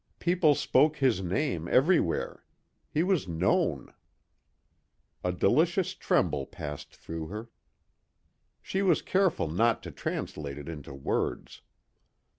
People spoke his name everywhere. He was known. A delicious tremble passed through her. She was careful not to translate it into words.